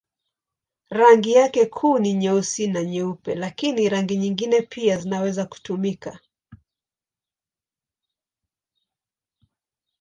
Rangi yake kuu ni nyeusi na nyeupe, lakini rangi nyingine pia zinaweza kutumika.